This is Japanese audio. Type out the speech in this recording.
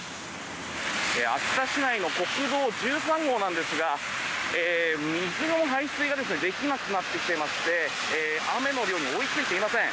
秋田市内の国道１３号なんですが水の排水ができなくなってきていまして雨の量も追いついていません。